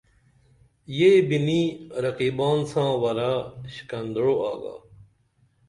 یہ بِنی رقیبان ساں ورہ اشکندعو آگا